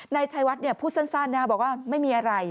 นายชัยวัดพูดสั้นนะไม่มีอะไร